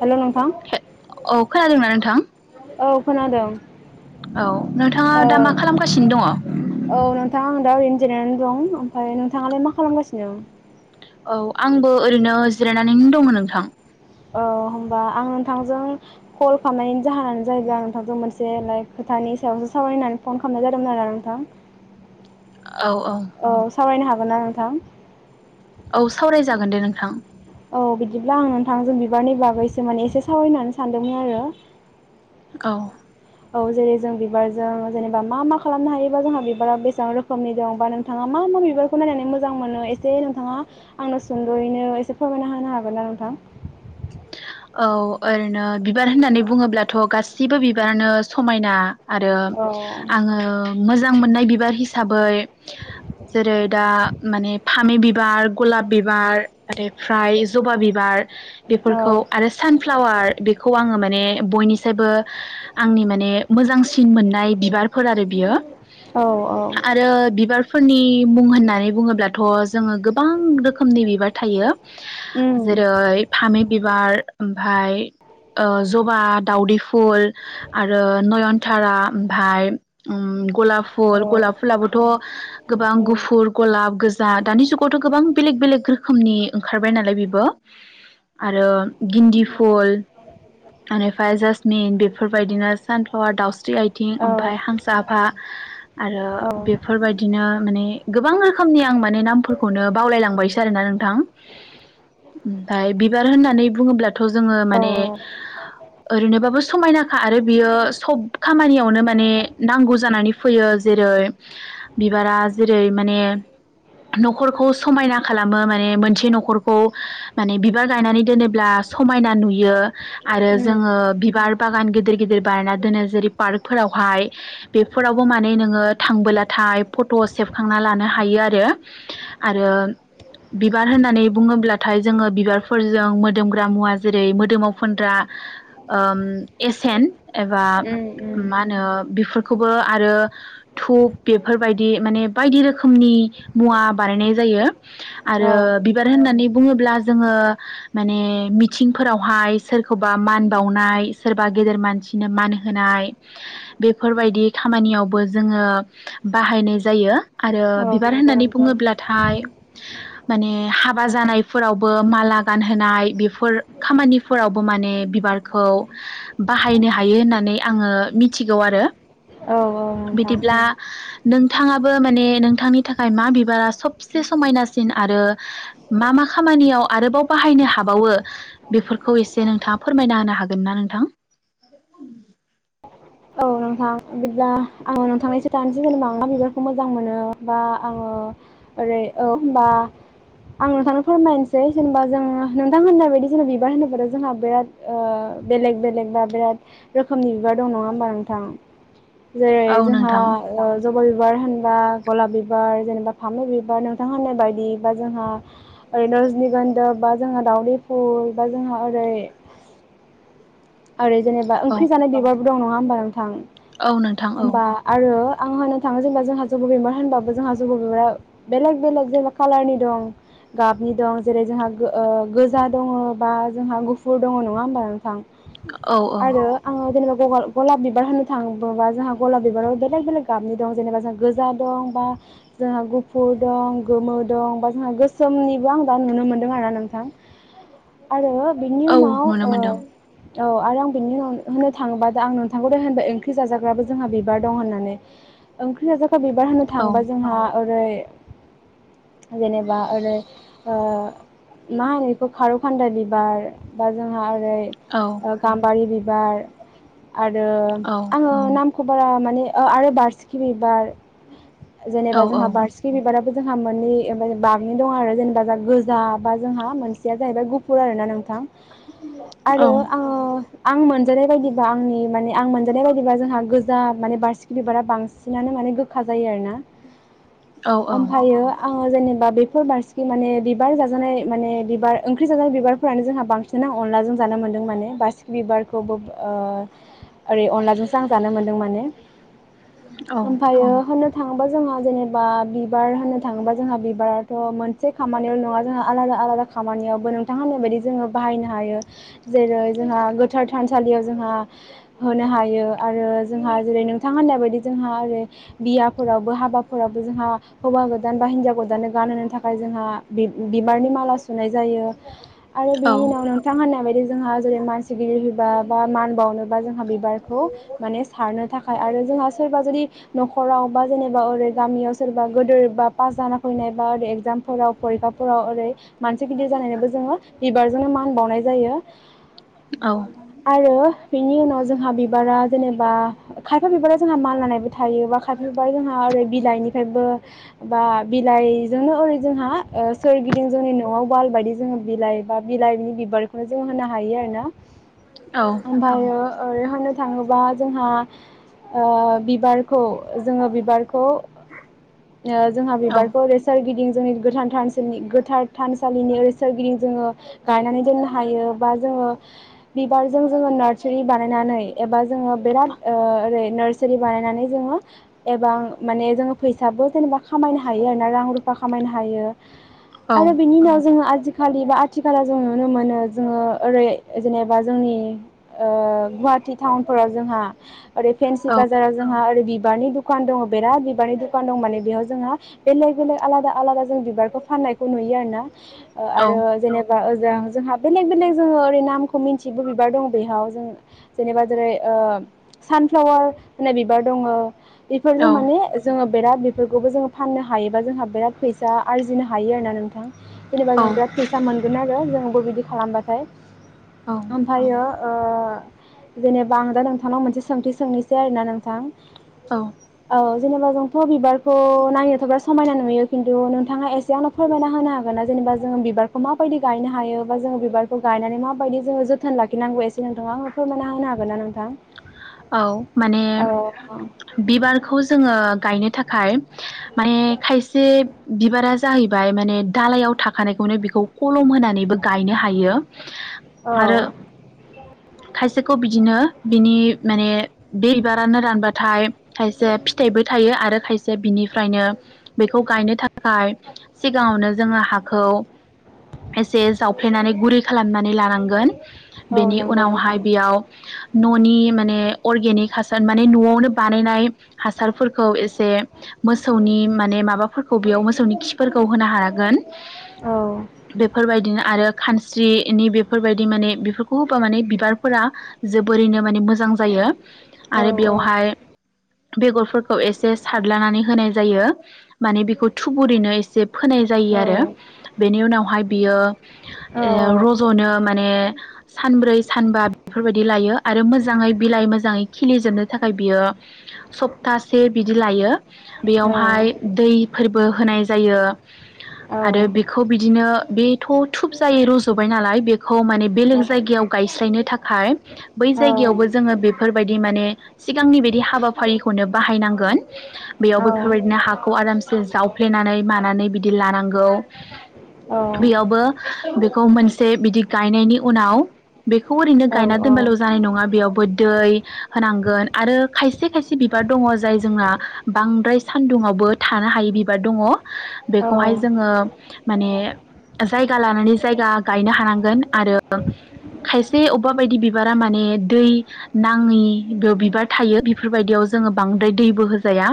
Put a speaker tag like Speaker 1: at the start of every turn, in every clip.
Speaker 1: हेल' नोंथां
Speaker 2: औ खोनादोंना नोंथां
Speaker 1: औ खोनादों
Speaker 2: औ। नोंथाङा
Speaker 1: औ
Speaker 2: दा मा खालामगासिनो दङ?
Speaker 1: औ नोंथां आं दा ओरैनो जिरायनानै दं। ओमफ्राय नोंथाङालाय मा खालामगासिनो?
Speaker 2: औ आंबो ओरैनो जिरायनानैनो दङ नोंथां।
Speaker 1: औ हबा आं नोंथांजों कल खालामनायनि जाहोनानो ओ होनबा आं नोंथांजों कल खालामनायनि जाहोनानो जाहैबाय नोंथांजों मोनसे खोथानि सायावसो सावरायनानै फन खालामनाय जादोंमोन आरोना नोंथां। औ सावरायनो हागो नना नोंथां।
Speaker 2: औ सावरायजागोन दे नोंथां।
Speaker 1: बारनि बागैसो माने एसे सावरायनो सानदोंमोन आरो।
Speaker 2: [inaudible]
Speaker 1: औ जेरै जों बिबारजों जेनेबा मा मा खालामनो हायो बा, जोंहा बिबारा बेसेबां रोखोमनि दं? बा नोंथाङा मा मा बिबारखौ नायनानै मोजां मोनो एसे नोंथाङा आंनो सुंद'यैनो एसे फोरमायना होनो हागोन ना नोंथां?
Speaker 2: औ ओरैनो बिबार होननानै बुङोब्लाथ' गासिबो बिबारानो समायना आरो
Speaker 1: औ
Speaker 2: आङो मो जां मोननाय बिबार हिसाबै जेरै- दा माने फामि बिबार गलाब बिबार बेनिफ्राय जबा बिबार बेफोरखौ
Speaker 1: औ
Speaker 2: आरो सानफ्लावार बेखौ आङो माने बयनि निसायबो आंनि माने मोजांसिन मोननाय बिबारफोर आरो बियो।
Speaker 1: औ औ
Speaker 2: आरो बिबार फोरनि मुं होननानै बुङोब्लाथ' जोङो गोबां रोखोमनि बिबार थायो
Speaker 1: उम
Speaker 2: जेरै पामि बिबार ओमफ्राय जबा दाउदै फुल आरो नयनथारा ओमफाय ओम गलाब
Speaker 1: औ
Speaker 2: फुल गलाब फुलाबोथ' गोबां
Speaker 1: उम
Speaker 2: गुफुर गलाब गोजा दानि जुगावथ' गोबां बेलेग बेलेग रो खोमनि ओंखारबाय नालाय बेबो। आरो गिन्दि फुल आनिफाय जास मेइन बेफोरबायदिनो सानफ्लावार दाउस स्रि आइथिं
Speaker 1: औ
Speaker 2: ओमफफ्राय हांसाफा। आरो
Speaker 1: औ
Speaker 2: बेफोरबायदिनो माने गोबां रोखोमनि आं माने नामफोरखौनो बावलायलांबायसो आरोना नोंथां ओमफ्राय बि बिबार होननानै बुङोब्ला थ' जोङो
Speaker 1: औ
Speaker 2: माने ओरैनोबाबो समायनाखा आरो बियो सब खामानियावनो माने नांगौ जानानै फैयो जेरै बिबारा जेरै माने न'खरखौ समायना खालामो माने मोनसे न'खरखौ माने बिब बिबार गायनानै दोनोब्ला समायना नुयो आरो
Speaker 1: उम
Speaker 2: जोङो बिबार बागान गिदिर गिदिर बायना दोनो जेरै पार्कफोरावहाय बेफोरावबो माने नोङो थांबोलाथाय फट' सेबखांना लानो हायो आरो आरो बिबार होननानै बुङोब्लाथाय जोङो बिबार फोरजों मोदोमग्रा मुवा जेरै मोदोमाव फोनग्रा ओ एसेन एबा
Speaker 1: उम उम
Speaker 2: मा होनो बेफोरखौबो आरो धुप बेफोरबायदि माने बायदि रोखोमनि मुवा बानायनाय जायो।
Speaker 1: औ
Speaker 2: आरो बिबार होननानै बुङोब्ला जोङो माने मिथिंफोरावहाय सोरखौबा मान बावनाय सोरबा गेदेर मानसिनो मान होनाय बेफोरबायदि खामानियावबो जोङो बाहायनाय जायो। आरो
Speaker 1: औ
Speaker 2: बिबार
Speaker 1: नंगौ
Speaker 2: होननानै
Speaker 1: नोंथां
Speaker 2: बुङोब्लाथाय माने हाबा जानायफोरावबो माला गानहोनाय बेफोर खामानिफोरावबो माने बिबारखौ बाहायनो हायो होननानै आङो मिथिगौ आरो।
Speaker 1: औ औ नोंथां
Speaker 2: बिदिब्ला नोंथाङाबो माने नोंथांनि थाखाय मा बिबारा सबसे समायनासिन आरो मा मा खामानियाव आरोबाव बाहायनो हाबावो बेफोरखौ एसे नोंथाङा फोरमायना होनो हागोन ना नोंथां?
Speaker 1: औ नोंथां बिदिब्ला आङो नोंथांनि खोन्थानोसै जेनेबा बिबारखौ मोजां मोनो बा आङो ओरै औ होनोमबा आं नोंथांनो फोरमायनोसै जेनेबा जों नोंथां होननाय बायदि जेनेबा बिबार होनोबथ' जोंहा बिराद बेलेग-बेलेग बा बिराद रोखोमनि बिबार दङ । ओमबा नोंथां जेरै
Speaker 2: औ
Speaker 1: जोंहा
Speaker 2: नोंथां
Speaker 1: जबा बिबा बिबार होनबा गलाब बिबार जेनेबा फामै बिबार नोंथां होननाय बायदि बा जोंहा ओरै रजनिगोन्दा बा जोंहा दाउदै स्कु बा जोंहा ओरै आरो जेनेबा
Speaker 2: औ
Speaker 1: ओंख्रि जानाय बिबार बो दं नङा होनमबा नोंथां?
Speaker 2: औ नोंथां औ
Speaker 1: होनबा आरो आं होननो थाङो जेनेबा जोंहा जबा बिबार होनबाबो जोंहा जबा बिबारा बेलेग बेलेग जेनेबा कालारनि दं गाबनि दं जेरै जोंहा गोजा दङ बा जोंहा गुफुर दङ नङा होमबा नोंथां?
Speaker 2: औ औ
Speaker 1: आरो आं जेनेबा [unintelligible] गलाब बिबार होननो थाङोबा जोंहा गलाब बिबाराव बेलेग बेलेग गाबनि दं जेनेबा जोंहा गोजा दं बा जोंहा गुफुर दं गोमो दं बा जोंहा गोसोमनिबो आं दा नुनो मोनदों आरो नोंथां। आरो बिनि
Speaker 2: औ
Speaker 1: उनाव
Speaker 2: नुनो
Speaker 1: ओ
Speaker 2: मोनदों
Speaker 1: औ आरो आं बिनि उनाव होननो थाङोबा आं नोंथांखौ होनबाय ओंख्रि जाजाग्राबो जोंहा बिबार दं होननानै। ओंख्रि जाजाग्रा बिबार होनो
Speaker 2: औ
Speaker 1: थांओबा जोंहा ओरै [unintelligible] जेनेबा ओरै ओ मा होनो बेखौ खारौ खान्दा बिबार बा जोंहा आरै
Speaker 2: औ
Speaker 1: ओ गामबारि बिबार [unintelligible] आरो
Speaker 2: औ
Speaker 1: आङो नाम खौ बारा माने आरो बार्सिखि बिबार
Speaker 2: औ
Speaker 1: जेनेबा जोंहा बारसिखि बिबाराबो जोंहा मोननै बागनि दङ आरो जेनेबा जों गोजा बा जोंहा मोनसेया जाहैबाय गुफुर आरोना नोंथां। आरो
Speaker 2: औ
Speaker 1: आङो आं मोन जानाय बायदिबा आंनि माने आं मोनजानाय बायदिबा जोंहा गोजा माने बारसिखि बिबारा बांसिनानो माने गोखा जायो आरोना।
Speaker 2: औ
Speaker 1: ओमफायो आं जेनेबा बेफोर बारसिखि माने बिबार जाजानाय माने बिबार ओंख्रि जाजानाय बिबारफोरानो जोंहा बांसिन अनला जों जानो मोनदों माने बारसिखि बिबारखौबो ओ ओरै अनलाजोंसो आं जानो मोनदों माने।
Speaker 2: औ
Speaker 1: ओमफायो होननो थाङोब्ला जोंहा जेनेबा बिबार होननो थाङोबा जोंहा बिबाराथ' मोनसे खामानियावल' नङा जोंहा आलादा-आलादा खामानियावबो नोंथां होननाय बायदि जोङो बाहायनो हायो। जेरै जोंहा गोथार थानसालियाव जोंहा होनो हायो आरो जोंहा जेरै नोंथां होननाय बायदि जोंहा आरो बियाफोरावबो हाबाफोरावबो जोंहा हौवा गोदान बा हिन्जाव गोदाननो गानहोनो थाखाय जोंहा बि-बिबारनि माला सुनाय जायो आरो बिनि
Speaker 2: औ
Speaker 1: उनावनो बिथां होननाय बायदि जोंहा जेरै मानसि गिदिर फैबा बा मान बावनो बा जोंहा बिबारखौ माने सारनो थाखाय आरो जोंहा सोरबा जुदि न'खराव बा जेनेबा ओरै गामियाव सोरबा गोदो बा पास जाना फैनाय बा ओरै एगजामफोराव फरिखाफोराव ओरै मानसि गिदिर जानायनोबो जोङो बिबारजोंनो मान बावनाय जायो।
Speaker 2: औ
Speaker 1: आरो बेनि उनाव जोंहा बिबारा जेनेबा खायफा बिबार जोंहा मा [unintelligible] थायो बा खायफा बिबारा जोंहा ओरै बिलाइनिफ्राबो बा बिलाइजोंनो ओरै जोंहा ओ सोरगिदिं जोंनि न'आव वालबायदि जोङो बिलाइ बा बिलाइनि बिबार खौ जों होनो हायो आरो ना। आमफायो ओरै होननो थाङोबा जोंहा ओ बिबारखौ जोङो बिबार खौ ओ जोंहा
Speaker 2: औ
Speaker 1: बिबारखौ ओरै सोरगिदिं जोंनि गोथान थानसालिनि गोथार थानसालिनि ओरै सोरगिदिं जोङो गायनानै दोननो हा बा जोङो बिबारजों जोङो नार्सारि बानायनानै एबा जोङो बिराद ओ ओरै नार्सारि बानायनानै जोङो एबा माने जोङो फैसाबो जेनेबा खामायनो हायो आरोना रां रुफा रुफा खामायनो हायो। आरो बिनि उनाव जोङो आजि खालि बा आथिखालाव जों नुनो मोनो जोङो ओरै जेनेबा जोंनि ओ गुवाहाटि टाउनफोराव जोंहा ओर फेनसि
Speaker 2: औ
Speaker 1: बाजाराव जोंहा ओरै बिबारनि दुखान दङ बिराथ बिबारनि दुखान दं माने बेयाव जोङो बेलेग बेलेग आलादा आलादा जों बिबारखौ फाननायखौ नुयो आरोना । ओ
Speaker 2: औ
Speaker 1: आरो जेनेबा जों-जोंहा बेलेग बेलेग जोङो ओरै नामखौ मिन्थियिबो बिबार दङ बेहाव जों जेनेबा जेरै ओ सान फ्लाउवार होननाय बिबार दङो बेफोरजों माने जोङो बिराद बेखौबो जोङो फाननो हायोबा जोंहा बिराद फैसा आरजिनो हायो आरोना नोंथां । जेनेबा जों बिराद फैसा मोनगोन आरो जोंबो बिदि खालामबाथाय ओमफ्रायो ओ जेनेबा आं दा नोंथांनाव मोनसे सोंथि सोंनोसै आरो ना नोंथां
Speaker 2: औ।
Speaker 1: ओ जेनेबा जोंथ' बिबारखौ नायनोथ' बिराद समायना नुयो खिन्थु नोंथाङा एसे आंनो फोरमायना होनो हागोन ना जेनेबा जों बिबारखौ माबायदि गायनो हायो बा जोङो बिबारखौ गायनानै माबायदि जोङो जोथोन लाखिनांगौ एसे नोंथाङा आंनो फोरमायना होनो हागोन ना नोंथां।
Speaker 2: औ माने
Speaker 1: औ
Speaker 2: बिबारखौ जोङो गायनो थाखाय खाय माने खायसे बिबारा जाहैबाय माने दालायाव थाखानायखौनो बेखौ खलम होना नानैबो गायनो हायो
Speaker 1: औ
Speaker 2: आरो खायसेखौ बिदिनो बिनि माने बे बिबारानो रानबाथाय खायसे फिथाइबो थायो आरो खायसे बिनिफ्रायनो बेखौ गायनो थाखाय सिगाङावनो जोङो हाखौ एसे जावफ्लेनानै गुरै खालामनानै लानांगोन।
Speaker 1: औ
Speaker 2: बेनि
Speaker 1: नंगौ
Speaker 2: उनावहाय
Speaker 1: नोंथां
Speaker 2: बेयाव न'नि माने ए अर्गेनिक। हासार माने न'आवनो बानायनाय। हासारफोरखौ एसे मोसौनि माने माबाफोरखौ बेयाव मोसौनि खिफोरखौ होनो हागोन।
Speaker 1: औ
Speaker 2: बेफोरबायदिनो आरो खानस्रिनि बेफोरबायदि माने बेफोरखौ होबा माने बिबारफोरा जोबोरैनो माने मोजां। जायो।
Speaker 1: औ
Speaker 2: आरो बेवहाय। बेगरफोरखौ एसे सारलानानै होनाय जायो माने बेखौ थुबुरैनो एसे फोनाय जायो आरो बेनि उनावहाय बियो रज'नो माने सानब्रै सानबा बेफोरबायदि लायो आरो मोजाङै बिलाइ मोजाङै खिलिजोबनो थाखाय बियो सप्तासे बिदि लायो। बेयावहाय दैफोर बो होनाय जायो। आरो बेखौ बिदिनो बेथ' थुब जायो रज'बाय नालाय बे खौ माने बेलेग जायगायाव गायस्लायनो थाखाय बै जायगायावबो बेफोरबायदि माने सिगांनि बादि हाबाफारिखौनो बाहायनांगोन।
Speaker 1: औ
Speaker 2: बेयावबो बेफोरबायदिनो हाखौ आरामसे जाव हुफ्लेनानै मानानै बिदि लानांगौ बेयावबो बे ग मोन से बिदि गायनायनि उनाव बेखौ ओरैनो गायना दोनबाल' जानाय नङा बेयाव दै होनांगोन आरो खायसे खायसे बिबार दङ जाय जोंहा बांद्राय सान्दुंावबो थानो हायि बिबार दङ बेखौहाय जोङो माने जायगा लानानै जायगा गायनो हानांगोन आरो खायसे अबेबा बायदि बिबारा माने दै नाङि बेयाव बिबार थायो बेफोरबायदियाव जोङो बांद्राय दैबो होजाया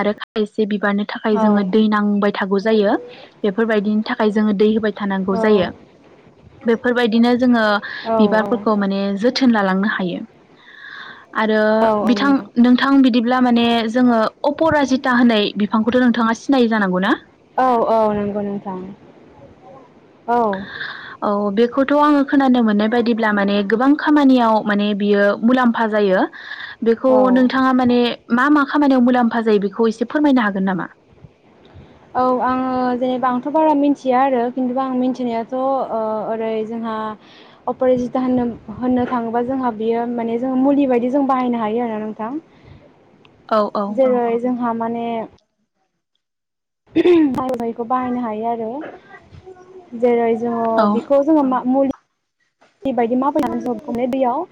Speaker 2: आरो खायसे बिबारनो थाखाय जोङो दै नांबाय थागौ जायो बेफोरबायदिनि थाखाय जोङो दै होबायायो थानांगौ जायो बेफोरबायदिनो जोङो जोथोन लालांनो हायो आरो
Speaker 1: औ
Speaker 2: बिथां नोंथां बिदिब्ला माने जोङो अपराजिता होननाय बिफांखौथ' नोंथाङा सिनायो जानांगौ ना
Speaker 1: औ औ नंगौ नोंथां औ
Speaker 2: औ बेखौ थ' आङो खोनानो मोननाय बायदिब्ला माने गोबां खामानियाव माने बियो मुलाम्फा जायो बेखौ
Speaker 1: औ
Speaker 2: नोंथाङा माने मा मा खामानियाव मुलाम्फा जायो बेखौ एसे फोरमायनो हागोन नामा
Speaker 1: औ आङो जेनेबा आंथ' बारा मिथिया आरो खिन्थु आं मिथिनायाथ' ओ ओरै जोंहा अपरेजिता होन होननो थाङोबा जोंहा बियो माने जों मुलि बायदि जों बाहायनो हायो आरो नोंथां
Speaker 2: औ औ
Speaker 1: जेरै जोंहा माने [unintelligible] बाहायनो हायो [unintelligible] जेरै जोङो
Speaker 2: औ
Speaker 1: बेखौ जोङो मुलि दै बायदि मााबायनानै जोङो खमले दैयाव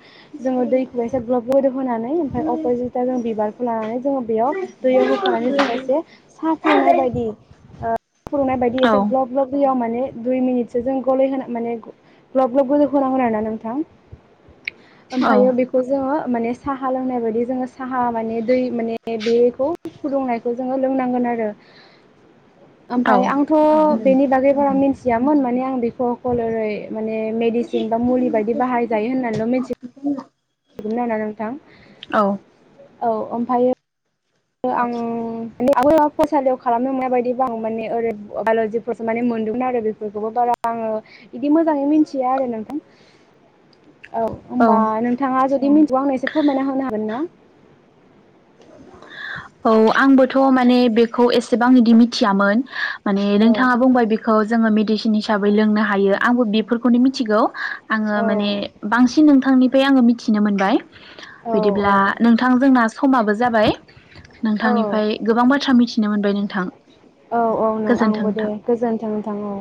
Speaker 1: जोङो दैखौ एसे ग्लब गोदौहोनानै ओमफ्राय अपजितआ जों बिबारखौ लानानै जोङो बेयाव दैयाव होफानानै जों एसे सा फुदुंनाय बायदि ओ फुदुंनाय बायदि
Speaker 2: औ
Speaker 1: एसेब ग्लब ग्ल'ब दैयाव दुय मिनिटसो जों गलायहोना माने ग्लब ग्लब गोदौ [unintelligible] नोंथां
Speaker 2: औ
Speaker 1: ओमफ्रायो बेखौ जोङो माने साहा लोंनाय बायदि जोङो साहा माने दै माने बेखौ फुदुंनायखौ जोङो लोंनांगोन आरो ओमफफ्राय आंथ' बेनि बागै बारामिथियामोन माने आं [unintelligible] माने जेनबा मुलि बायदि बाहायजायो होननानैल' मिथि [unintelligible] ना नोंथां
Speaker 2: औ
Speaker 1: औ ओमफायो आं [unintelligible] फरायसालियाव खालामनो मोननाय बायदिबा आं माने ओरै बाय'ल'जिफोरसो माने मोनदोंमोन आरो बेफोरखौबो बारा आङो बिदि मोजाङै मिथिया आरो नोंथां औ होनोमबा
Speaker 2: औ
Speaker 1: नोंथाङा जुदि मिथिगौ आंनो एसे फोरमायना होनो हागोन ना?
Speaker 2: औ आंबोथ' माने बेखौ एसेबां बिदि मिथियामोन। माने
Speaker 1: औ
Speaker 2: नोंथाङा बुंबाय बेखौ जोङो मेडिसिन हिसाबै लोंनो हायो आंबो बेफोरखौनो मिथिगौ आङो
Speaker 1: औ
Speaker 2: माने बांसिन नोंथांनिफ्राय आङो मि मिथिनो मोनबाय
Speaker 1: औ
Speaker 2: बिदिब्ला
Speaker 1: औ
Speaker 2: नोंथां जोंना माबो जाबाय
Speaker 1: औ
Speaker 2: नोंथांनिफ्राय गोबां बाथ्रा मिथिनो मोन बाय नोंथां।
Speaker 1: औ औ नों
Speaker 2: गोजोन्थों
Speaker 1: आंबो दे
Speaker 2: नोंथां।
Speaker 1: गोजोनथों नोंथां अ।